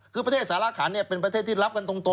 คือประเทศสารขันเป็นประเทศที่รับกันตรง